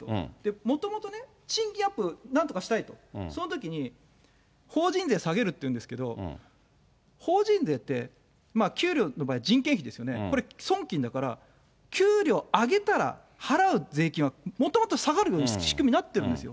もともとね、賃金アップなんとかしたいと、そのときに法人税下げるっていうんですけど、法人税って、給料の場合、人件費ですよね、これ、損金だから、給料上げたら、払う税金はもともと下がるような仕組みになってるんですよ。